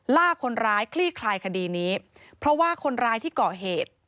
ล่าคนร้ายคลี่คลายคดีนี้เพราะว่าคนร้ายที่ก่อเหตุ